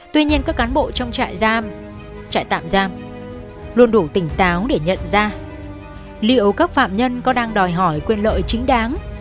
tuy nhiên các cán bộ trong trại giam trại tạm giam luôn đủ tỉnh táo để nhận ra liệu các phạm nhân có đang đòi hỏi quyền lợi chính đáng